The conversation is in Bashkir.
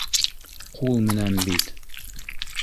Ҡул менән бит